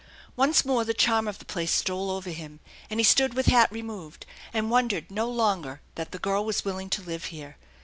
Once more the charm of the place stole over him; and he stood with hat removed, and wondered no longer that the girl was willing to live here.